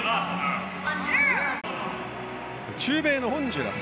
中米のホンジュラス。